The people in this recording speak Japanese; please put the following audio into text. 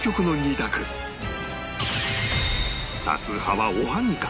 多数派はおはぎか？